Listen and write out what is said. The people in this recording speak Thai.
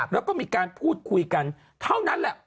แล้วก็มีการพูดคุยกันเท่านั้นแหละ